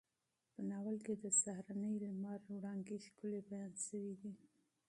په ناول کې د سهارني لمر وړانګې ښکلې بیان شوې دي.